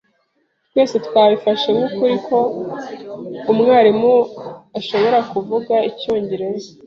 Twese twabifashe nk'ukuri ko umwarimu ashobora kuvuga icyongereza.